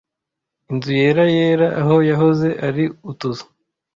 Inzu yera yera aho yahoze ari utuzu.